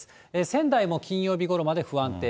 仙台も金曜日ごろまで不安定。